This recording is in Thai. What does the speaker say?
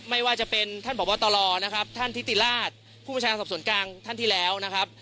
ไม่ว่าจะเป็นท่านพบตรนะครับท่านทิติราชผู้ประชาสอบสวนกลางท่านที่แล้วนะครับ